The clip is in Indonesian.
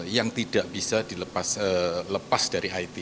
yang tidak bisa dilepas dari it